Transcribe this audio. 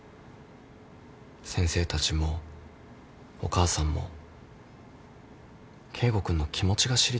先生たちもお母さんも圭吾君の気持ちが知りたいんだよ。